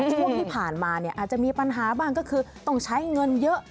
ช่วงที่ผ่านมาเนี่ยอาจจะมีปัญหาบ้างก็คือต้องใช้เงินเยอะ